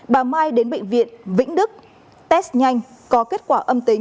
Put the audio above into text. bà mai đến bệnh viện vĩnh đức test nhanh có kết quả âm tính